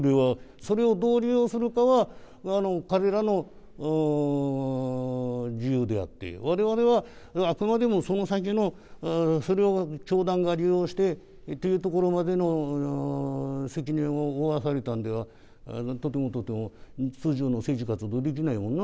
それをどう利用するかは、彼らの自由であって、われわれはあくまでもその先の、それを教団が利用してというところまでの責任を負わされたんでは、とてもとても通常の政治活動できないわな。